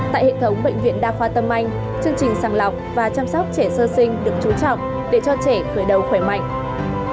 tại hệ thống bệnh viện đa khoa tâm anh chương trình sàng lọc và chăm sóc trẻ sơ sinh được trú trọng để cho trẻ khởi đầu khỏe mạnh